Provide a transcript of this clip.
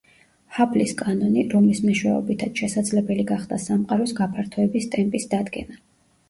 ჰაბლის კანონი, რომლის მეშვეობითაც შესაძლებელი გახდა სამყაროს გაფართოების ტემპის დადგენა.